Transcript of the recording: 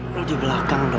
lo di belakang dong